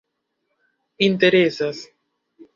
interesas